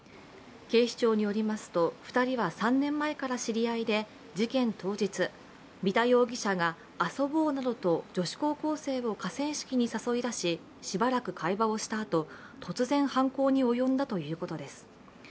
警視庁によりますと２人は３年前から知り合いで事件当日、三田容疑者が遊ぼうなどと女子高校生を河川敷に誘い出し、しばらく会話をしたあと突然、犯行に及んだということです。